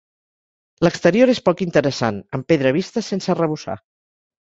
L'exterior és poc interessant, amb pedra vista sense arrebossar.